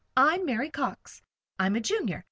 "I'm Mary Cox. I'm a Junior.